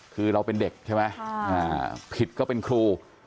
คือเราเป็นเด็กใช่ไหมผิดก็เป็นครู